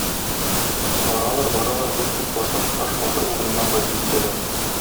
Баралар, баралар, бик күп баргач, Таш батыр урынына кайтып җитәләр.